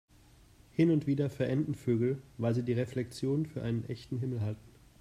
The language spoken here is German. Hin und wieder verenden Vögel, weil sie die Reflexion für den echten Himmel halten.